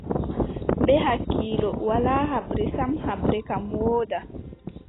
Bee hakkiilo, walaa haɓre sam, haɓre kam wooda.